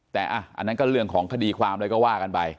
แต่อันนั้นก็เรื่องของคดีความอะไรก็ว่ากันไป